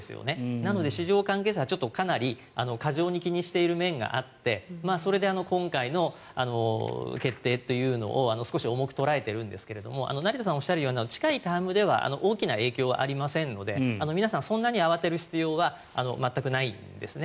なので市場関係者が、かなり過剰に気にしている面があってそれで今回の決定というのを少し重く捉えているんですが成田さんがおっしゃったような近いタームでは大きな影響はありませんので皆さん、そんなに慌てる必要は全くないんですね。